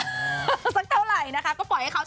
ก็ปล่อยให้เขาทำไปกันดีแล้ว